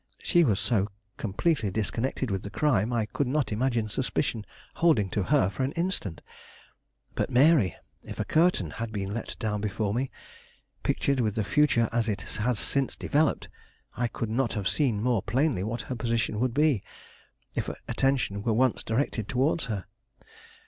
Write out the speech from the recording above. She was so completely disconnected with the crime I could not imagine suspicion holding to her for an instant. But Mary If a curtain had been let down before me, pictured with the future as it has since developed, I could not have seen more plainly what her position would be, if attention were once directed towards her.